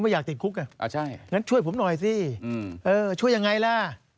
อยากติดคุกงั้นช่วยผมหน่อยสิช่วยยังไงล่ะ